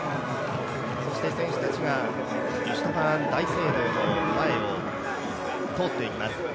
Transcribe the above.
そして選手たちがイシュトヴァーン大聖堂の前を通っていきます。